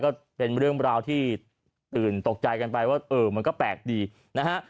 ก็เป็นเรื่องราวที่ตื่นตกใจกันไปว่าเออมันก็แปลกดีนะฮะ